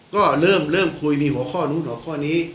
ก็เริ่มคุยมีหัวข้อนู้นหัวข้อนี้